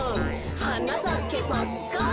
「はなさけパッカン！」